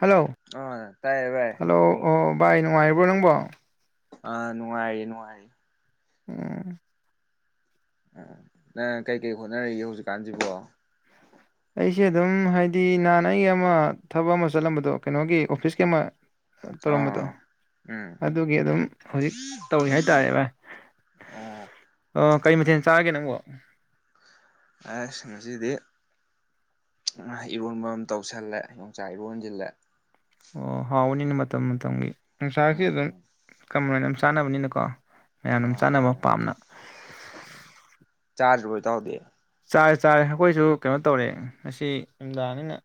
Hello ꯑꯥ ꯇꯥꯏꯌꯦ ꯚꯥꯏ ꯍꯜꯂꯣ ꯑꯣ ꯚꯥꯏ ꯅꯨꯡꯉꯥꯏꯔꯤꯕ꯭ꯔꯣ ꯅꯪꯕꯣ? ꯑꯥ ꯅꯨꯡꯉꯥꯏꯔꯤꯌꯦ ꯅꯨꯡꯉꯥꯏꯔꯤꯌꯦ ꯎꯝ ꯎ ꯅꯪ ꯀꯩꯀꯩ ꯍꯣꯠꯅꯔꯤꯒꯦ ꯍꯧꯖꯤꯛꯀꯥꯟꯖꯤꯕꯣ? ꯑꯩꯁꯦ ꯑꯗꯨꯝ ꯍꯥꯏꯗꯤ ꯅꯍꯥꯟ ꯑꯩꯒꯤ ꯑꯃ ꯊꯕꯛ ꯑꯃ ꯆꯠꯂꯝꯕꯗꯣ ꯀꯩꯅꯣꯒꯤ ꯑꯣꯐꯤꯁꯀꯤ ꯑꯃ ꯇꯧꯔꯝꯕꯗꯣ ꯑꯥ ꯎꯝ ꯑꯗꯨꯒꯤ ꯑꯗꯨꯝ ꯍꯧꯖꯤꯛ ꯇꯧꯔꯤ ꯍꯥꯏꯇꯥꯔꯦ ꯚꯥꯏ ꯑꯣ ꯑꯣ ꯀꯔꯤ ꯃꯊꯦꯜ ꯆꯥꯔꯒꯦ ꯅꯪꯕꯣ? ꯑꯁ ꯉꯁꯤꯗꯤ ꯏꯔꯣꯟꯕ ꯑꯃ ꯇꯧꯁꯜꯂꯦ ꯌꯣꯡꯆꯥꯛ ꯏꯔꯣꯟꯖꯤꯜꯂꯦ ꯑꯣ ꯍꯥꯎꯕꯅꯤꯅ ꯃꯇꯝ ꯃꯇꯝꯒꯤ ꯌꯣꯡꯆꯥꯛꯁꯥ ꯑꯗꯨꯝ ꯎꯝ ꯀꯃꯅ ꯆꯥꯅꯕꯅꯤꯅꯀꯣ ꯃꯌꯥꯝ ꯑ ꯑꯗꯨꯝ ꯃꯥꯅꯦ ꯆꯥꯅꯕ ꯃꯥꯅꯦ ꯄꯥꯝꯅ ꯆꯗꯔꯤꯕꯣ ꯇꯥꯎꯗꯤ ꯆꯥꯔꯦ ꯆꯥꯔꯦ ꯑꯩꯈꯣꯏꯁꯨ ꯀꯩꯅꯣ ꯇꯧꯔꯦ ꯉꯁꯤ ꯅꯨꯃꯤꯗꯥꯡꯅꯤꯅ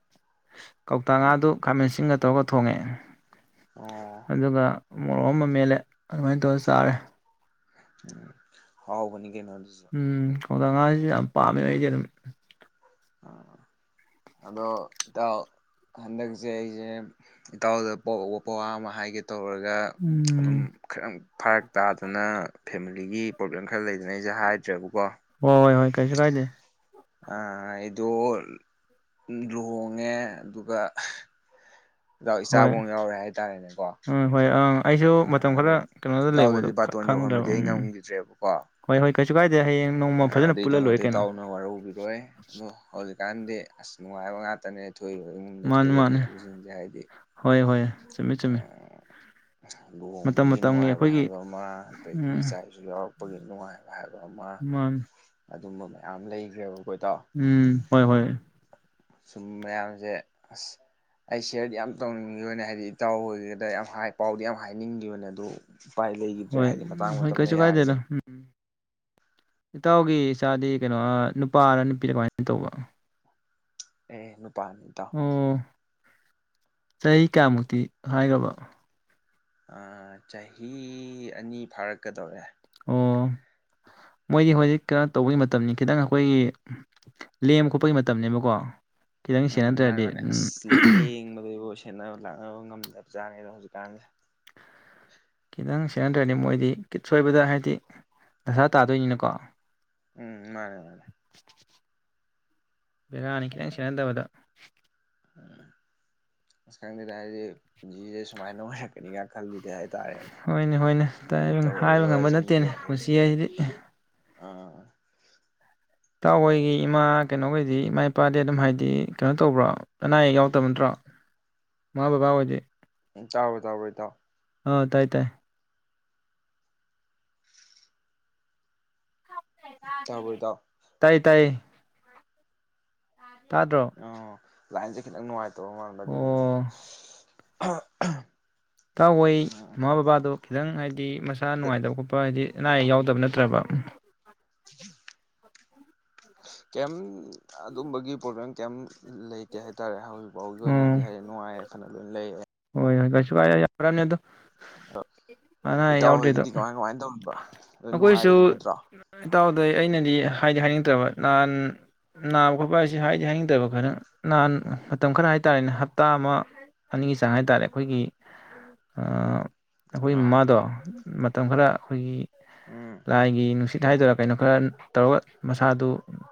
ꯀꯧꯇꯥꯉꯥ ꯑꯥ ꯗꯨ ꯈꯥꯃꯦꯟꯁꯤꯟꯒ ꯇꯧꯔꯒ ꯊꯣꯡꯉꯦ꯫ ꯑꯣ ꯑꯗꯨꯒ ꯃꯣꯔꯣꯛ ꯑꯃ ꯃꯦꯠꯂꯦ ꯑꯗꯨꯃꯥꯏꯅ ꯇꯧꯔ ꯆꯥꯔꯦ ꯎꯝ ꯍꯥꯎꯕꯅꯤ ꯀꯩꯅꯣ ꯑꯗꯨꯖꯨ ꯎꯝ ꯀꯧꯇꯥ ꯉꯥꯖꯤꯖꯨ ꯌꯥꯝ ꯄꯥꯝꯃꯦ ꯑꯩꯗꯤ ꯑꯗꯨꯝ ꯑ ꯑꯗꯣ ꯏꯇꯥꯎ ꯍꯟꯗꯛꯁꯦ ꯑꯩꯖꯦ ꯏꯇꯥꯎꯗ ꯄꯣꯛꯕ ꯄꯋꯥ ꯑꯃ ꯍꯥꯏꯒꯦ ꯇꯧꯔꯒ ꯑꯗꯨꯝ ꯎꯝ ꯈꯔꯪ ꯐꯔꯛ ꯇꯥꯗꯅ ꯐꯦꯃꯤꯂꯤꯒꯤ ꯄ꯭ꯔꯣꯕ꯭ꯂꯦꯝ ꯈꯔ ꯂꯩꯗꯅ ꯑꯩꯁꯦ ꯍꯥꯏꯗ꯭ꯔꯦꯕ ꯍꯣꯏ ꯍꯣꯏ ꯍꯣꯏ ꯀꯩꯁꯨ ꯀꯥꯏꯗꯦ ꯑꯩꯗꯣ ꯂꯨꯍꯣꯡꯉꯦ ꯑꯗꯨꯒ ꯗꯥ ꯍꯣꯏ ꯏꯆꯥꯕꯣꯡ ꯌꯥꯎꯔꯦ ꯍꯥꯏꯇꯥꯔꯦꯅꯦꯀꯣ ꯎꯝ ꯍꯣꯏ ꯑꯪ ꯑꯩꯁꯨ ꯃꯇꯝ ꯑꯗꯣ ꯈꯔ ꯀꯩꯅꯣꯗ ꯂꯩꯕꯗꯣ ꯏꯇꯥꯎꯗꯗꯤ ꯕꯥꯇꯣꯟ ꯈꯪꯗ꯭ꯔꯕ ꯌꯧꯍꯟꯕꯗꯤ ꯎꯝ ꯍꯣꯏ ꯍꯣꯏ ꯀꯩꯥꯏ ꯑꯗꯨꯒꯤꯗꯃꯛꯇ ꯏꯇꯥꯎꯅ ꯋꯥꯔꯧꯕꯤꯔꯣꯏ ꯑꯗꯣ ꯍꯧꯖꯤꯛ ꯀꯥꯟꯗꯤ ꯑꯁ ꯅꯨꯡꯉꯥꯏꯕ ꯉꯥꯛꯇꯅꯦ ꯊꯣꯛꯏꯕ ꯏꯃꯨꯡꯗ ꯃꯥꯅꯤ ꯊꯣꯛꯏꯕ ꯃꯥꯅꯤ ꯊꯧꯗꯣꯛꯁꯤꯡꯁꯦ ꯍꯥꯏꯗꯤ ꯍꯣꯏ ꯍꯣꯏ ꯆꯨꯝꯃꯤ ꯆꯨꯝꯃꯤ ꯑꯑ ꯃꯇꯝ ꯂꯨꯍꯣꯡꯕꯒꯤ ꯃꯇꯝꯒꯤ ꯅꯨꯡꯉꯥꯏꯕ ꯑꯩꯈꯣꯏꯒꯤ ꯍꯥꯏꯕ ꯑꯃ ꯑꯗꯒꯤ ꯎꯝ ꯏꯆꯥ ꯏꯁꯨ ꯌꯥꯎꯔꯛꯄꯒꯤ ꯅꯨꯡꯉꯥꯏꯕ ꯍꯥꯏꯕ ꯑꯃ ꯃꯥꯅꯤ ꯑꯗꯨꯝꯕ ꯃꯌꯥꯝ ꯂꯩꯈ꯭ꯔꯦꯕꯀꯣ ꯑꯩꯈꯣꯏ ꯎꯝ ꯍꯣꯏ ꯍꯣꯏ ꯁꯨꯝ ꯃꯌꯥꯝꯁꯦ ꯑꯁ ꯑꯩ ꯁꯤꯌꯔꯗꯤ ꯌꯥꯝ ꯇꯧꯅꯤꯡꯈꯤꯕꯅꯦ ꯍꯥꯏꯗꯤ ꯏꯇꯥꯎ ꯑꯣꯏꯒꯦꯗ ꯌꯥꯝ ꯍꯥꯏ ꯄꯥꯎꯗꯤ ꯌꯥꯝ ꯍꯥꯏꯅꯤꯡꯈꯤꯕꯅꯦ ꯑꯗꯨ ꯎꯄꯥꯏ ꯂꯩꯈꯤꯗ꯭ꯔꯦ ꯍꯣꯏ ꯍꯥꯏꯗꯤ ꯎꯝ ꯃꯇꯥꯡ ꯍꯣꯏ ꯃꯇꯝꯅ ꯀꯩꯁꯨ ꯀꯥꯏꯗꯦꯗ ꯌꯥꯈꯤꯗꯕ ꯏꯇꯥꯎꯒꯤ ꯏꯆꯥꯗꯤ ꯀꯩꯅꯣ ꯅꯨꯄꯥꯔ ꯅꯨꯄꯤꯗ ꯀꯃꯥꯏꯅ ꯇꯧꯕ ꯑꯦ ꯄꯅꯤꯗ ꯑꯣ ꯆꯍꯤ ꯀꯌꯥꯃꯨꯛꯇꯤ ꯍꯥꯏꯈ꯭ꯔꯔꯕ ꯆꯍꯤ ꯑꯅꯤ ꯐꯥꯔꯛꯀꯗꯧꯔꯦ ꯑꯣ ꯃꯣꯏꯗꯤ ꯍꯧꯖꯤꯛ ꯀꯩꯅꯣ ꯇꯧꯕꯒꯤ ꯃꯇꯝꯅꯤ ꯈꯤꯇꯪ ꯑꯩꯈꯣꯏꯒꯤ ꯂꯦꯡꯕ ꯈꯣꯠꯄꯒꯤ ꯃꯇꯝꯅꯤꯅꯦꯕꯀꯣ ꯎꯝ ꯃꯥꯅꯦ ꯃꯥꯅꯦ ꯑꯁ ꯂꯦꯡꯕꯗ ꯁꯦꯟꯅꯕ ꯂꯛꯅꯕ ꯉꯝꯗꯦ ꯆꯥꯅꯤꯗ ꯍꯧꯖꯤꯛꯀꯥꯟꯗ ꯅꯪ ꯁꯖꯤꯅꯟꯗ꯭ꯔꯅꯤ ꯃꯣꯏꯗꯤ ꯀꯤꯠ ꯁꯣꯏꯕꯗ ꯍꯥꯏꯗꯤ ꯗꯁꯥ ꯇꯥꯗꯣꯏꯅꯤꯅꯀꯣ ꯎꯝ ꯃꯅꯦ ꯃꯥꯅꯦ ꯕꯦꯔꯥꯅꯤ ꯈꯤꯇꯪ ꯁꯦꯟꯅꯟꯗꯕꯗ ꯎꯝ ꯑꯁ ꯈꯪꯗꯦꯗ ꯍꯥꯏꯁꯦ ꯄꯨꯟꯁꯤꯁꯦ ꯁꯨꯃꯥꯏꯅ ꯅꯨꯡꯉꯥꯏꯔꯛꯀꯅꯤꯒ ꯈꯜꯂꯨꯁ ꯍꯣꯏꯅꯦ ꯍꯣꯏꯅꯦ ꯇꯥꯏ ꯍꯥꯏꯕ ꯉꯝꯕ ꯇꯧꯔꯛꯏꯕꯁꯤꯡꯁꯦ ꯅꯠꯇꯦꯅꯦ ꯍꯥꯏꯗꯤ ꯄꯨꯟꯁꯤ ꯍꯥꯏꯁꯤꯗꯤ ꯑꯥ ꯏꯇꯥꯎꯍꯣꯏꯒꯤ ꯏꯃꯥ ꯀꯩꯅꯣꯈꯩꯗꯤ ꯏꯃꯥ ꯏꯄꯥꯗꯤ ꯑꯗꯨꯝ ꯍꯥꯏꯗꯤ ꯀꯩꯅꯣ ꯇꯧꯕ꯭ꯔꯥ ꯑꯅꯥ ꯑꯌꯦꯛ ꯌꯥꯎꯗꯕ ꯅꯠꯇ꯭ꯔꯣ ꯏꯃꯥ ꯕꯕꯥꯍꯣꯏꯗꯤ ꯇꯕ꯭ꯣꯔ ꯇꯥꯕ꯭ꯣꯔ ꯏꯇꯥꯎ ꯑꯥ ꯇꯥꯏ ꯇꯥꯏ ꯇꯥꯕ꯭ꯔꯣ ꯏꯇꯥꯎ ꯇꯥꯏ ꯇꯥꯏ ꯇꯥꯗ꯭ꯔꯣ ꯑꯣ ꯂꯥꯏꯟꯖꯦ ꯈꯤꯇꯪ ꯅꯨꯡꯉꯥꯏ ꯇꯧꯕ ꯃꯥꯟꯕ ꯑꯗꯨꯒꯤꯅꯤꯗ ꯑꯣ ꯍꯥ ꯑꯍꯝ ꯇꯥꯎ ꯑꯩ ꯃꯥꯃꯥ ꯕꯥꯕꯥꯗꯨ ꯈꯤ ꯇꯪ ꯍꯥꯏꯗꯤ ꯍꯥꯏꯗꯤ ꯃꯁꯥ ꯅꯨꯡꯉꯥꯏꯇꯕ ꯈꯣꯠꯄ ꯍꯥꯏꯗꯤ ꯑꯅꯥ ꯑꯌꯦꯛ ꯌꯥꯎꯗꯕ ꯅꯠꯇ꯭ꯔꯕ [inaudible] ꯀꯩꯝ ꯑꯗꯨꯝꯕꯒꯤ ꯄ꯭ꯔꯣꯕ꯭ꯂꯦꯝ ꯀꯩꯝ ꯂꯩꯇꯦ ꯍꯥꯏꯇꯥꯔꯦ ꯍꯧꯖꯤꯛ ꯐꯥꯎꯒꯤ ꯑꯣꯏꯅꯗꯤ ꯎꯝ ꯍꯥꯏꯗꯤ ꯅꯨꯡꯉꯥꯏ ꯌꯥꯏꯐꯅ ꯂꯣꯏꯅ ꯂꯩ ꯑꯕ ꯍꯣꯏ ꯍꯣꯏ ꯀꯩꯁꯨ ꯀ ꯌꯥꯝ ꯐꯔꯃꯤ ꯑꯗꯨ ꯑꯅꯥ ꯑꯌꯦꯛ ꯏꯇꯥꯎ ꯌꯥꯎꯗ꯭ꯔꯤꯗꯣ ꯍꯣꯏꯒꯤꯗꯤ ꯀꯃꯥꯏ ꯀꯃꯥꯏꯅ ꯇꯧꯔꯤꯕ ꯂꯣꯏ ꯑꯩꯈꯣꯏꯁꯨ ꯅꯨꯡꯉꯥꯏꯔꯤꯕ ꯅꯠꯇ꯭ꯔꯣ ꯏꯇꯥꯎꯗ ꯑꯩꯅꯗꯤ ꯍꯥꯏꯗꯤ ꯍꯥꯏꯅꯤꯡ ꯕ ꯅꯍꯥꯟ ꯅꯥꯕ ꯈꯣꯠꯄ ꯍꯥꯏꯁꯤ ꯍꯥꯏꯗꯤ ꯍꯥꯏꯅꯤꯡꯗꯕ ꯈꯔ ꯅꯍꯥꯟ ꯃꯇꯝ ꯈꯔ ꯍꯥꯏꯇꯥꯔꯦꯅꯦ ꯍꯞꯇꯥ ꯑꯃ ꯑꯅꯤꯒꯤ ꯆꯥꯡ ꯍꯥꯏꯇꯥꯔꯦ ꯑꯈꯣꯏꯒꯤ ꯑꯈꯣꯏ ꯑꯥ ꯃꯥꯗꯣ ꯃꯇꯝ ꯈꯔ ꯑꯩꯈꯣꯏꯒꯤ ꯎꯝ ꯂꯥꯏꯒꯤ ꯅꯨꯡꯁꯤꯠ ꯍꯥꯏꯗꯣꯏꯔꯥ ꯀꯩꯅꯣ ꯈꯔ ꯇꯧꯔꯒ ꯃꯁꯥꯗꯨ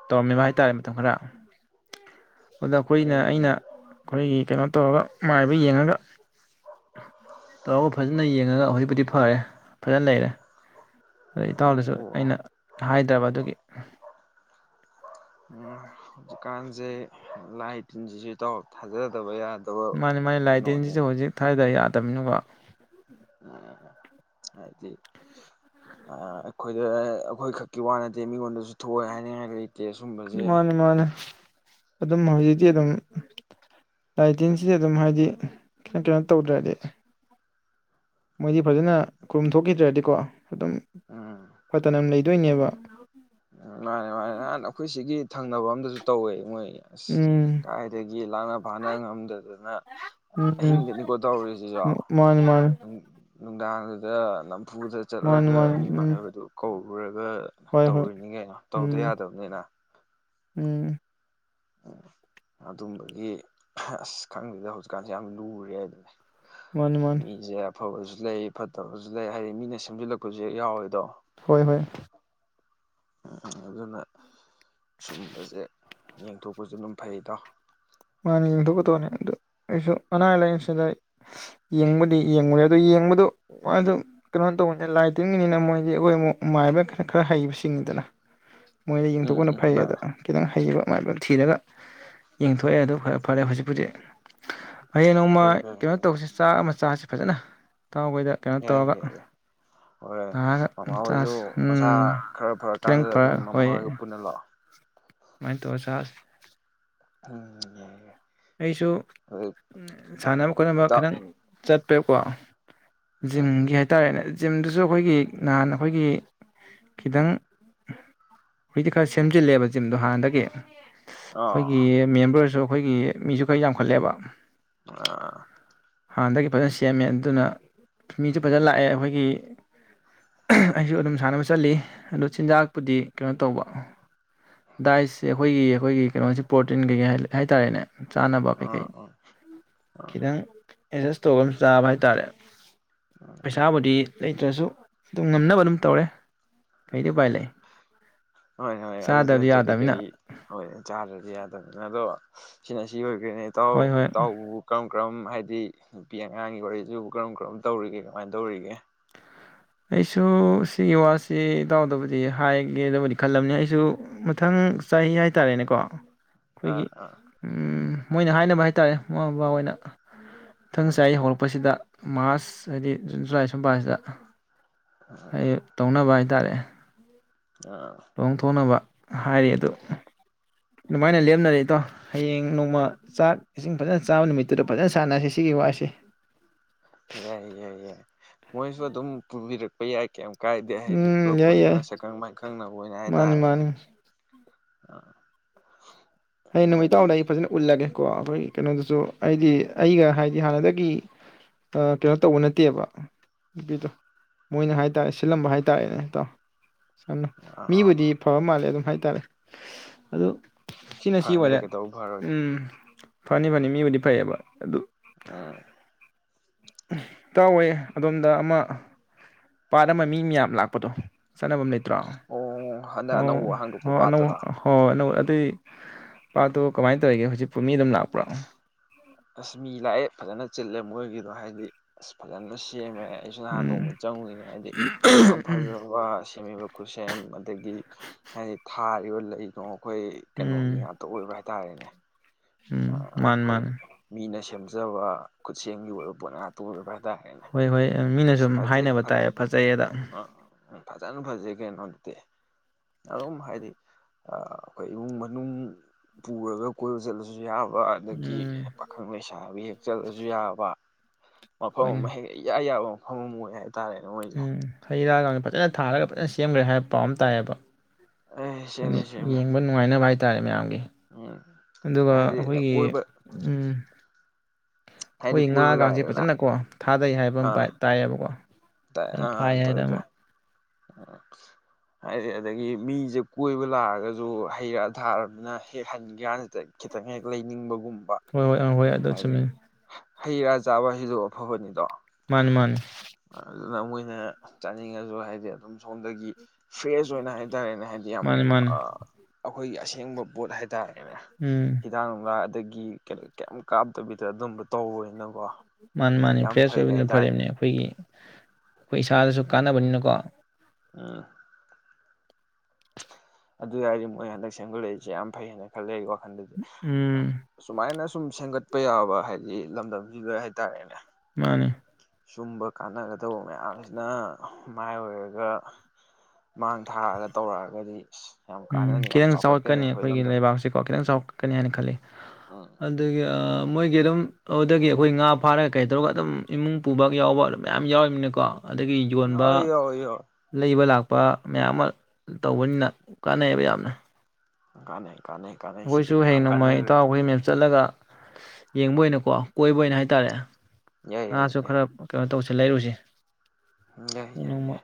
ꯇꯧꯔꯝꯃꯦꯕ ꯍꯥꯏꯇꯥꯔꯦ ꯃꯇꯝ ꯈꯔ ꯑꯗ ꯑꯩꯈꯣꯏꯅ ꯎꯝ ꯑꯩꯅ ꯑꯩꯈꯣꯏꯒꯤ ꯀꯩꯅꯣ ꯇꯧꯔꯒ ꯃꯥꯏꯕ ꯌꯦꯡꯉꯒ ꯇꯧꯔꯒ ꯐꯖꯅ ꯌꯦꯡꯉꯒ ꯍꯧꯖꯤꯛꯄꯨꯗꯤ ꯐꯔꯦ ꯐꯖꯅ ꯂꯩꯔꯦ ꯏꯇꯥꯎꯗꯁꯨ ꯑꯣ ꯑꯣ ꯑꯩꯅ ꯍꯥꯏꯗ ꯇꯕ ꯑꯗꯨꯒꯤ ꯎꯝ ꯍꯧꯖꯤꯛꯀꯥꯟꯖꯦ ꯂꯥꯏ ꯇꯤꯟꯖꯤꯖꯨ ꯏꯇꯥꯎ ꯊꯥꯖꯗꯕ ꯌꯥꯗꯦ ꯃꯥꯅꯦ ꯃꯥꯅꯦ ꯂꯥꯏꯇꯤꯟꯖꯤꯖꯨ ꯍꯧꯖꯤꯛ ꯊꯖꯗ ꯌꯥꯗꯦ ꯇꯝꯃꯤꯅꯣꯕ ꯎꯝ ꯍꯥꯏꯗꯤ ꯑ ꯑꯩꯈꯣꯏꯗ ꯑꯩꯈꯣꯏ ꯈꯛꯀꯤ ꯋꯥ ꯅꯠꯇꯦ ꯃꯤꯉꯣꯟꯗꯁꯨ ꯊꯣꯛꯑꯣꯏ ꯍꯥꯏꯅꯤꯡꯉꯥꯏ ꯂꯩ ꯃꯥꯅꯦ ꯃꯥꯅꯦ ꯑꯗꯨꯝ ꯍꯧꯖꯤꯛꯗꯤ ꯑꯗꯨꯝ ꯂꯥꯏꯇꯤꯟꯁꯤꯗꯤ ꯑꯗꯨꯝ ꯍꯥꯏꯗꯤ ꯀꯩꯅꯣ ꯀꯩꯅꯣ ꯇꯧꯗ꯭ꯔꯗꯤ ꯃꯣꯏꯗꯤ ꯐꯖꯅ ꯈꯨꯔꯨꯝ ꯊꯣꯛꯈꯤꯗ꯭ꯔꯗꯤꯀꯣ ꯑꯗꯨꯝ ꯎꯝ ꯐꯠꯇꯅ ꯎꯝ ꯂꯩ ꯑꯗꯨꯏꯅꯦꯕ ꯃꯥꯅꯦ ꯃꯥꯅꯦ ꯅꯍꯥꯟ ꯑꯩꯈꯣꯏ ꯁꯤꯒꯤ ꯊꯪꯅꯕ ꯑꯝꯗꯁꯨ ꯇꯧꯋꯦ ꯃꯣꯏ ꯑꯁ ꯎꯝ ꯀꯥꯏꯗꯒꯤ ꯂꯥꯛꯅ ꯐꯥꯅ ꯉꯝꯗꯗꯅ ꯎꯝ ꯑꯍꯤꯡꯗꯅꯤꯀꯣ ꯇꯧꯔꯤꯁꯤꯖꯨ ꯎꯝ ꯃꯥꯅꯤ ꯃꯥꯅꯤ ꯅꯨꯡꯗꯥꯡꯗꯨꯗ ꯂꯝ ꯐꯨꯗ ꯃꯥꯅꯤ ꯆꯠꯂꯒ ꯃꯤ ꯃꯥꯅꯤ ꯎꯝ ꯃꯥꯏꯕꯗꯨ ꯀꯧ ꯄꯨꯔꯒ ꯍꯣꯏ ꯍꯣꯏ ꯇꯧꯔꯤꯅꯤ ꯀꯩꯅꯣ ꯇꯧꯗ ꯎꯝ ꯌꯥꯗꯕꯅꯤꯅ ꯎꯝ ꯎꯝ ꯑꯗꯨꯝꯕꯒꯤ ꯑꯁ ꯈꯪꯗꯗ ꯍꯧꯖꯤꯛꯀꯥꯟꯁꯦ ꯌꯥꯝ ꯂꯨꯔꯦ ꯍꯥꯏꯗꯅ ꯋꯥꯟ ꯋꯥꯟ ꯑꯐꯕꯁꯨ ꯂꯩ ꯐꯠꯇꯕꯁꯨ ꯂꯩ ꯍꯥꯏꯗꯤ ꯃꯤꯅ ꯁꯦꯝꯖꯤꯜꯂꯛꯄꯁꯨ ꯍꯦꯛ ꯌꯥꯎꯋꯦꯗꯣ ꯍꯣꯏ ꯍꯣꯏ ꯎ ꯑꯗꯨꯅ ꯁꯨꯝꯕꯁꯦ ꯌꯦꯡꯊꯣꯛꯄꯁꯨ ꯑꯗꯨꯝ ꯐꯩꯗꯣ ꯃꯥꯅ ꯌꯦꯡꯊꯣꯛꯀꯗꯧꯕꯅꯦ ꯑꯗꯨ ꯑꯩꯁꯨ ꯑꯅꯥ ꯂꯥꯏꯌꯦꯡꯁꯤꯗ ꯌꯦꯡꯕꯨꯗꯤ ꯌꯦꯡꯕꯨꯔ ꯑꯗꯨ ꯌꯦꯡꯕꯗꯣ ꯃꯥꯁꯨ ꯀꯩꯅꯣ ꯇꯧꯕꯅꯤ ꯂꯥꯏ ꯇ꯭ꯔꯤꯒꯤꯅꯤꯅ ꯃꯣꯏꯗꯤ ꯑꯩꯈꯣꯏ ꯑꯃꯨꯛ ꯃꯥꯏꯕ ꯈꯔ ꯈꯔ ꯍꯩꯕꯁꯤꯡꯅꯤꯤꯗꯅ ꯃꯣꯏꯅ ꯎꯝ ꯌꯦꯡꯊꯣꯛꯄꯅ ꯎꯝ ꯐꯩꯌꯦꯗ ꯃꯥꯅꯦ ꯈꯤꯇꯪ ꯍꯩꯕ ꯑꯃꯉꯥꯏꯕ ꯊꯤꯔꯒ ꯌꯦꯡꯊ ꯊꯣꯛꯑꯦ ꯑꯗꯨ ꯐꯔꯦ ꯐꯔꯦ ꯍꯧꯖꯤꯛꯄꯖꯤꯛ ꯍꯌꯦꯡ ꯅꯣꯡꯃ ꯐꯩ ꯐꯩ ꯀꯩꯅꯣ ꯐꯩ ꯇꯧꯕꯁꯤ ꯆꯥꯛ ꯑꯃ ꯆꯁꯤꯦ ꯐꯖꯅ ꯏꯇꯥꯎꯈꯣꯏꯗ ꯀꯩꯅꯣ ꯌꯥꯏ ꯌꯥꯏ ꯇꯧꯔꯒ ꯌꯥꯏ ꯍꯣꯏꯣꯏ ꯅꯥꯔꯒ ꯃꯃꯥꯍꯣꯏꯁꯨ ꯆꯥꯁꯤ ꯃꯁꯥ ꯎꯝ ꯈꯔ ꯐꯔꯛ ꯈꯤꯇꯪ ꯀꯥꯟꯗꯨꯗ ꯑꯗꯨꯝ ꯃꯃꯥꯍꯣꯏꯒ ꯄꯨꯟꯅ ꯂꯥꯛꯑꯣ ꯋꯥꯅꯤ ꯇ ꯁꯁ ꯎꯝ ꯑꯩꯁꯨ ꯁꯥꯟꯅꯕ ꯈꯣꯠꯅꯕ ꯏꯇꯥꯎ ꯈꯤꯇꯪ ꯆꯠꯄꯦꯀꯣ ꯖꯤꯝꯒꯤ ꯍꯥꯏꯇꯥꯔꯦꯅꯦ ꯖꯤꯝꯗꯨꯁꯨ ꯑꯩꯈꯣꯏꯒꯤ ꯅꯍꯥꯟ ꯑꯩꯈꯣꯏꯒꯤ ꯈꯤꯇꯪ ꯍꯨꯏꯗꯤ ꯈꯔ ꯁꯦꯝꯖꯤꯜꯂꯦꯕ ꯖꯤꯝꯗꯣ ꯍꯥꯟꯅꯗꯒꯤ ꯑꯩꯈꯣꯏꯒꯤ ꯑꯥ ꯃꯦꯝꯕꯔ ꯑꯣꯏꯔꯁꯨ ꯑꯩꯈꯣꯏꯒꯤ ꯃꯤꯁꯨ ꯈꯔ ꯌꯥꯝꯈꯠꯂꯦꯕ ꯑꯥ ꯍꯥꯟꯅꯗꯒꯤ ꯐꯖꯅ ꯁꯦꯝꯃꯦ ꯑꯗꯨꯅ ꯃꯤꯁꯨ ꯐꯖꯅ ꯂꯥꯛꯑꯦ ꯑꯩꯈꯣꯏꯒꯤ ꯑꯩꯁꯨ ꯑꯗꯨꯝ ꯁꯥꯟꯅꯕ ꯆꯠꯂꯤ ꯑꯗꯨ ꯆꯤꯟꯖꯥꯛꯄꯨꯗꯤ ꯀꯩꯅꯣ ꯇꯧꯕ ꯗꯥꯏꯁꯁꯦ ꯑꯩꯈꯣꯏꯒꯤ ꯑꯩꯈꯣꯏꯒꯤ ꯀꯩꯅꯣꯁꯤ ꯄ꯭ꯔꯣꯇꯤꯟ ꯀꯩꯀꯩ ꯍꯥꯏꯇꯥꯔꯦꯅꯦ ꯆꯥꯅꯕ ꯀꯩꯈꯩ ꯑꯥ ꯑꯥ ꯈꯤꯇꯪ ꯑꯦꯖꯁ ꯇꯧꯕ ꯑꯃ ꯆꯥꯕ ꯍꯥꯏꯇꯥꯔꯦ ꯄꯩꯁꯥ ꯑꯃꯗꯤꯗꯤ ꯂꯩꯇ꯭ꯔꯁꯨ ꯑꯗꯨꯝ ꯉꯝꯅꯕ ꯑꯗꯨꯝ ꯇꯧꯔꯦ ꯀꯩꯗꯤ ꯎꯄꯥꯏ ꯂꯩ ꯍꯣꯏ ꯍꯣꯏ ꯑꯗꯨ ꯆꯥꯗꯕꯗꯤ ꯅꯠꯇ꯭ꯔꯗꯤ ꯌꯥꯗꯕꯅꯤꯅ ꯀꯔꯤ ꯍꯣꯏ ꯆꯥꯗ꯭ꯔꯗꯤ ꯌꯥꯗꯕꯅꯤꯅ ꯑꯗꯣ ꯁꯤꯅ ꯁꯤ ꯑꯣꯏ ꯏꯇꯥꯎ ꯍꯣꯏ ꯍꯣꯏ ꯏꯇꯥꯎ ꯀꯔꯝ ꯀꯔꯝ ꯍꯥꯏ ꯍꯥꯏꯗꯤ ꯅꯨꯄꯤ ꯑꯉꯥꯡꯒꯤ ꯋꯥꯔꯤꯗꯨ ꯀꯔꯝ ꯀꯔꯝ ꯇꯧꯔꯤꯒꯦ ꯀꯃꯥꯏꯅ ꯇꯧꯔꯤꯒꯦ ꯑꯩꯁꯨ ꯁꯤꯒꯤ ꯋꯥꯁꯤ ꯏꯇꯎꯗꯕꯨꯗꯤ ꯍꯥꯏꯒꯦꯗꯕꯨꯗꯤ ꯈꯜꯂꯝꯕꯅꯤ ꯑꯩꯁꯨ ꯃꯊꯪ ꯆꯍꯤ ꯍꯥꯏꯇꯥꯔꯦꯅꯦꯀꯣ ꯑꯥ ꯑꯈꯣꯏꯒꯤ ꯑꯥ ꯎꯝ ꯃꯣꯏꯅ ꯍꯥꯏꯅꯕ ꯍꯥꯏꯇꯥꯔꯦ ꯃꯃꯥ ꯃꯄꯥ ꯍꯣꯏꯅ ꯃꯊꯪ ꯎꯝ ꯆꯍꯤ ꯍꯧꯔꯛꯄꯁꯤꯗ ꯃꯥꯔꯁ ꯍꯥꯏꯗꯤ ꯖꯨꯟ ꯖꯨꯂꯥꯏ ꯁꯨꯝꯀꯥꯟꯁꯤꯗ ꯑꯩ ꯇꯧꯅꯕꯥꯏ ꯇꯥꯔꯦ ꯑꯥ ꯂꯣꯡꯊꯣꯛꯅꯕ ꯍꯥꯏꯔꯤ ꯑꯗꯨ ꯑꯗꯨꯃꯥꯏꯅ ꯂꯦꯞꯅꯔꯦ ꯏꯇꯥꯎ ꯍꯌꯦꯡ ꯅꯣꯡꯃ ꯆꯥꯛ ꯏꯁꯤꯡ ꯐꯖꯅ ꯆꯥꯕ ꯅꯨꯃꯤꯠꯇꯨꯗ ꯐꯖꯅ ꯁꯥꯟꯅꯁꯤ ꯁꯤꯒꯤ ꯋꯥꯔꯤꯁꯦ ꯌꯥꯏ ꯌꯥꯏ ꯌꯥꯏ ꯃꯣꯏꯁꯨ ꯑꯗꯨꯝ ꯄꯨꯕꯤꯔꯛꯄ ꯌꯥꯏ ꯀꯌꯥꯝ ꯀꯥꯏꯗꯦ ꯍꯥꯏꯗꯤ ꯎꯝ ꯄꯨꯂꯞ ꯌꯥꯏ ꯄꯨꯟꯅ ꯌꯥꯏ ꯁꯛꯈꯪ ꯃꯥꯏꯈꯪꯅꯕ ꯑꯣꯏꯅ ꯃꯥꯅꯤ ꯍꯥꯏꯇꯥꯔꯦ ꯑ ꯃꯥꯅꯤ ꯍꯩ ꯅꯨꯃꯤ ꯏꯇꯥꯎꯗ ꯑꯩ ꯐꯖꯅ ꯎꯠꯂꯒꯦ ꯀꯣ ꯑꯈꯣꯏꯒꯤ ꯀꯩꯅꯣꯗꯨꯁꯨ ꯑꯩꯗꯤ ꯑꯩꯒ ꯍꯥꯏꯗꯤ ꯍꯥꯟꯅꯗꯒꯤ ꯀꯩꯅꯣ ꯇꯧꯕ ꯅꯠꯇꯦꯕ ꯅꯨꯄꯤꯗꯣ ꯃꯣꯏꯅ ꯍꯥꯏ ꯇꯥꯔꯦ ꯁꯤꯜꯂꯝꯕ ꯍꯥꯏ ꯇꯥꯔꯦꯅꯦ ꯏꯇꯥꯎ ꯁꯝꯅ ꯑꯥ ꯃꯤꯕꯨꯗꯤ ꯐꯕ ꯃꯥꯜꯂꯦ ꯑꯗꯨꯝ ꯍꯥꯏ ꯇꯔꯦ ꯑꯗꯨ ꯁꯤꯅ ꯁꯤ ꯐꯅꯤꯗ ꯑꯣꯏꯔꯦ ꯀꯩꯗꯧꯕ ꯐꯔꯣꯏꯗꯤ ꯎꯝ ꯐꯅꯤ ꯐꯅꯤ ꯃꯤꯕꯨꯗꯤ ꯐꯩꯑꯦꯕ ꯑꯗꯨ ꯑꯥ ꯇꯧꯋꯦ ꯑꯗꯣꯝꯗ ꯑꯃ ꯄꯥꯠ ꯑꯃ ꯃꯤ ꯃꯌꯥꯝ ꯂꯥꯛꯄꯗꯣ ꯆꯥꯟꯅꯐꯝ ꯂꯩꯇ꯭ꯔꯥ ꯑꯣ ꯍꯟꯗꯛ ꯑꯣ ꯑꯅꯧꯕ ꯍ ꯍꯥꯡꯗꯣꯛꯄ ꯑꯅꯧ ꯄꯥꯠꯇꯨꯔꯥ ꯍꯣꯏꯣꯏ ꯑꯅꯧ ꯑꯇꯩ ꯄꯥꯠꯇꯣ ꯀꯃꯥꯏꯅ ꯇꯧꯔꯤꯒꯦ ꯍꯧꯖꯤꯛꯄꯣ ꯃꯤ ꯑꯗꯨꯝ ꯂꯥꯛꯄ꯭ꯔꯥ ꯑꯁ ꯃꯤ ꯂꯥꯛꯑꯦ ꯐꯖꯅ ꯆꯤꯜꯂꯦ ꯃꯣꯏꯒꯤꯗꯣ ꯍꯥꯏꯗꯤ ꯑꯁ ꯐꯖꯅ ꯁꯦꯝꯃꯦ ꯑꯩꯁꯨ ꯅꯍꯥꯟ ꯅꯣꯡꯃ ꯎꯝ ꯆꯪꯉꯨꯏꯅꯦ ꯍꯥꯏꯗꯤ ꯌꯥꯝ ꯐꯖꯕ ꯁꯦꯝꯃꯤꯕ ꯈꯨꯠꯁꯦꯝ ꯑꯗꯒꯤ ꯍꯥꯏꯗꯤ ꯊꯥꯔꯤꯕ ꯂꯩꯅꯣ ꯑꯈꯣꯏ ꯎꯝ ꯀꯩꯅꯣꯒꯤ ꯉꯥꯛꯇ ꯑꯣꯏꯕ ꯍꯥꯏ ꯇꯥꯔꯦꯅꯦ ꯎꯝ ꯃꯥꯅꯤ ꯃꯥꯅꯦ ꯐꯖꯕ ꯈꯨꯠꯁꯦꯝꯒꯤ ꯑꯣꯏꯕ ꯄꯣꯠ ꯉꯥꯛꯇ ꯑꯣꯏꯕ ꯗꯅꯦꯅꯦ ꯍꯣꯏ ꯍꯣꯏ ꯃꯤꯅ ꯁꯨꯝ ꯍꯥꯏꯅꯕ ꯇꯥꯏꯌꯦ ꯐꯖꯩꯌꯦꯗ ꯎ ꯐꯖꯅ ꯐꯖꯩ ꯀꯩꯅꯣ ꯅꯣꯗꯤ ꯑꯗꯨꯝ ꯍꯥꯏꯗꯤ ꯑꯈꯣꯏ ꯏꯃꯨꯡ ꯃꯅꯨꯡ ꯄꯨꯔꯒ ꯀꯣꯏꯕ ꯆꯠꯂꯁꯨ ꯌꯥꯕ ꯑꯗꯒꯤ ꯎꯝ ꯄꯥꯈꯪ ꯂꯩꯁꯥꯕꯤ ꯍꯦꯛ ꯆꯠꯂꯁꯨ ꯌꯥꯕ ꯃꯐꯝ ꯍꯣꯏꯅꯦ ꯌꯥꯎꯣ ꯐ ꯑꯣꯏ ꯌꯥ ꯎꯝ ꯍꯩꯔꯥꯒꯥꯡ ꯐꯖꯅ ꯊꯥꯜꯔꯒ ꯐꯖꯅ ꯁꯦꯝꯈ꯭ꯔꯦ ꯍꯥꯏꯕ ꯄꯥꯎ ꯑꯃ ꯇꯥꯏꯌꯦꯕ ꯑꯦ ꯁꯦꯝꯃꯦ ꯁꯦꯝꯃꯦ ꯌꯦꯡꯕ ꯅꯨꯡꯉꯥꯏꯅꯕ ꯍꯥꯏꯦ ꯍꯥꯏꯇꯥꯔꯦ ꯃꯌꯥꯝꯒꯤ ꯎꯝ ꯑꯗꯨꯒ ꯍꯥꯏꯗꯤ ꯑꯩꯈꯣꯏꯒꯤ ꯀꯣꯏꯕ ꯎꯝ ꯍꯣꯏ ꯍꯥꯏꯗꯤ ꯀꯣꯏꯕ ꯉꯥꯒꯁꯦ ꯂꯥꯛꯑꯦꯗꯅ ꯐꯖꯅꯀꯣ ꯊꯥꯗꯩ ꯍꯥꯏꯕ ꯑꯃ ꯇꯥꯏꯌꯦꯕꯀꯣ ꯇ ꯐꯖꯅ ꯑꯥ ꯐꯥꯏ ꯇꯥꯏ ꯍꯥꯏꯗ ꯇ ꯑꯃ ꯍꯥꯏꯗꯤ ꯑꯗꯒꯤ ꯃꯤꯁꯦ ꯀꯣꯏꯕ ꯂꯥꯛꯑꯒꯁꯨ ꯍꯩꯔꯛꯑ ꯊꯥꯔꯕꯅꯤꯅ ꯍꯦꯛ ꯍꯟꯒꯦ꯭ꯔꯅꯇ ꯈꯤꯇꯪ ꯍꯦꯛ ꯂꯩꯅꯤꯡꯕꯒꯨꯝꯕ ꯍꯣꯏ ꯍꯣꯏ ꯍꯣꯏ ꯑꯗꯨ ꯑꯗꯨ ꯍꯥꯏꯗꯤ ꯆꯃꯤ ꯍꯩ ꯔꯥ ꯆꯥꯕ ꯍꯩꯗꯣꯛ ꯑꯐꯕꯅꯤꯗꯣ ꯃꯟ ꯃꯟ ꯑꯗꯨꯅ ꯃꯣꯏꯅ ꯆꯥꯅꯤꯡꯉꯁꯨ ꯍꯥꯏꯗꯤ ꯑꯗꯨꯝ ꯁꯣꯝꯗꯒꯤ ꯐ꯭ꯔꯦꯁ ꯑꯣꯏꯅ ꯍꯥꯏꯇꯥꯔꯦꯅꯦ ꯍꯥꯏꯗꯤ ꯌꯥꯝ ꯃꯥꯅꯤ ꯃꯥꯅꯤ ꯑ ꯑꯩꯈꯣꯏꯒꯤ ꯑꯁꯦꯡꯕ ꯄꯣꯠ ꯍꯥꯏꯇꯥꯔꯦ ꯍꯥꯏꯇꯥꯔꯦꯅꯦ ꯎꯝ ꯍꯤꯗꯥꯛ ꯅꯨꯡꯂ ꯑꯗꯒꯤ ꯀꯩꯝ ꯀꯥꯞꯇꯕꯤꯗ ꯑꯗꯨꯝꯕ ꯇꯧꯧꯕꯅꯀꯣ ꯃꯥꯅꯤ ꯃꯥꯅꯤ ꯐ꯭ꯔꯦꯁ ꯑꯣꯏꯕꯅ ꯐꯔꯦꯅꯦ ꯑꯩꯈꯣꯏꯒꯤ ꯑꯩꯈꯣꯏ ꯏꯁꯥꯗꯁꯨ ꯎꯝ ꯀꯥꯟꯅꯕꯅꯤꯅꯀꯣ ꯎꯝ ꯑꯗꯨ ꯍꯥꯏꯔꯗꯤ ꯃꯣꯏ ꯍꯟꯗꯛ ꯁꯦꯝꯒꯠꯂꯛꯏꯁꯦ ꯌꯥꯝ ꯐꯩ ꯍꯥꯏꯅ ꯈꯜꯂꯦ ꯑꯩ ꯋꯥ ꯊ ꯎꯝ ꯁꯨꯃꯥꯏꯅ ꯁꯨꯝ ꯁꯦꯝꯒꯠꯄ ꯌꯥꯕ ꯍꯥꯏꯗꯤ ꯂꯝꯗꯝꯁꯤꯗ ꯍꯥꯏꯇꯥꯔꯦꯅꯦ ꯃꯥꯅꯤ ꯁꯨꯝꯕ ꯀꯥꯟꯅꯒꯗꯧꯕ ꯃꯌꯥꯝꯁꯤꯅ ꯃꯥꯏ ꯑꯣꯏꯔꯒ ꯃꯥꯡ ꯊꯥꯛꯑꯒ ꯇꯧꯔꯛꯑꯒꯗꯤ ꯑꯁ ꯌꯥꯝ ꯎꯝ ꯀꯥꯟꯅꯅꯤ ꯌꯥꯝ ꯈꯤꯇꯪ ꯆꯥꯎꯈꯠꯀꯅꯤ ꯑꯩꯈꯣꯏ ꯑꯩꯈꯣꯏꯒꯤ ꯂꯝꯗꯝꯁꯦ ꯂꯩꯕꯥꯛꯁꯤꯀꯣ ꯈꯤꯇꯪ ꯆꯥꯎꯈꯠꯀꯅꯤ ꯍꯥꯏꯅ ꯈꯜꯂꯤ ꯎꯝ ꯑꯗꯨꯒ ꯃꯣꯏꯒꯤ ꯑꯗꯨꯝ ꯑꯗꯨꯗꯒꯤ ꯑꯩꯈꯣꯏ ꯉꯥ ꯐꯥꯔꯒ ꯀꯩ ꯇꯧꯔꯒ ꯑꯗꯨꯝ ꯏꯃꯨꯡ ꯄꯨꯕ ꯌꯥꯎꯕ ꯑꯗꯨꯝ ꯃꯌꯥꯝ ꯌꯥꯎꯔꯤꯕꯅꯤꯀꯣ ꯑꯗꯒꯤ ꯌꯣꯟꯕ ꯌꯥꯎꯋꯦ ꯌꯥꯎꯋꯦ ꯌꯥꯎꯋꯦ ꯂꯩꯕ ꯂꯥꯛꯄ ꯅꯨꯄꯥ ꯃꯌꯥꯝ ꯑꯃ ꯇꯧꯕꯅꯤꯅ ꯀꯥꯟꯅꯩꯌꯦꯕ ꯌꯥꯝꯅ ꯀꯅꯦ ꯑꯩꯈꯣꯏꯁꯨ ꯍꯌꯦꯡ ꯅꯣꯡꯃꯥꯏ ꯏꯇꯥꯎ ꯑꯩꯈꯣꯏ ꯃꯦꯝ ꯆꯠꯂꯒ ꯌꯦꯡꯕ ꯑꯣꯏꯅꯀꯣ ꯀꯣꯏꯕ ꯑꯣꯏꯅ ꯍꯥꯏꯇꯥꯔꯦ ꯌꯥꯏ ꯍꯥꯥꯁꯨꯨ ꯈꯔ ꯀ ꯇꯧ ꯁꯤ ꯂꯩꯔꯨꯁꯦ ꯂꯩꯏ ꯅꯣꯡꯃ ꯌꯥꯏꯦ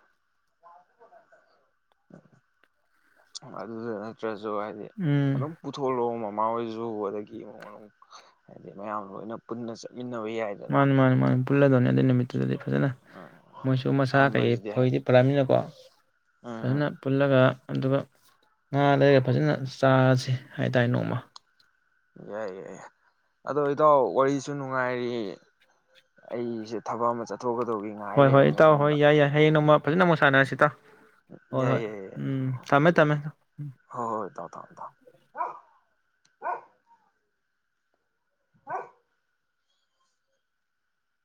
ꯑꯗꯨ ꯇ꯭ꯔꯁꯨ ꯍꯥꯏꯗꯤ ꯎꯝ ꯑꯗꯨꯝ ꯄꯨꯊꯣꯛꯂꯣꯑꯣ ꯏꯃꯥ ꯍꯣꯏꯖꯨ ꯑꯗꯒꯤ ꯏꯃꯨꯡ ꯃꯅꯨꯡ ꯍꯥꯏꯗꯤ ꯃꯌꯥꯝ ꯂꯣꯏꯅ ꯄꯨꯟꯅ ꯆꯠꯂ ꯏꯟꯅ ꯑꯣꯏ ꯌꯥꯏꯗꯅ ꯄꯨꯂꯅ ꯑꯗꯨꯩ ꯅꯨꯃꯤꯠꯇꯨꯗꯗꯤ ꯐꯖꯅ ꯎꯝ ꯃꯣꯏꯁꯨ ꯃꯁꯥ ꯀꯩꯀꯩ ꯁꯨꯝꯕꯁꯤꯗꯤ ꯍꯥꯏ ꯐꯗꯤ ꯄꯨꯜꯂꯅꯤꯅꯀꯣ ꯎꯝ ꯐꯖꯅ ꯎꯝ ꯄꯨꯜꯂꯒ ꯑꯗꯨꯒ ꯉꯥ ꯂꯩꯔ ꯐꯖꯅ ꯆꯥꯔꯁꯤ ꯍꯥꯏꯇꯥꯔꯦ ꯅꯣꯡꯃ ꯌꯥꯏ ꯌꯥꯏ ꯑꯗꯣ ꯏꯇꯥꯎ ꯋꯥꯔꯤꯁꯨ ꯅꯨꯡꯉꯥꯏꯔꯤ ꯑꯩꯁꯦ ꯊꯕꯛ ꯑꯃ ꯆꯠꯊ ꯍꯣꯏ ꯍꯣꯏ ꯏꯇꯥꯎ ꯍꯣꯏ ꯌꯥꯏ ꯌꯥꯏ ꯍꯌꯦꯡ ꯅꯣꯡꯃ ꯐꯖꯅ ꯑꯃꯨꯛ ꯁꯥꯟꯅꯔꯁꯤ ꯇ ꯍꯣꯏ ꯍꯣꯏ ꯌꯥꯏ ꯌꯥꯏ ꯌꯥꯏ ꯎꯝ ꯊꯝꯃꯦ ꯊꯝꯃꯦ ꯎꯝ ꯍꯣꯏ ꯍꯣꯏ ꯏꯇꯥꯎ ꯊꯝꯃꯣ ꯊꯝꯃꯣ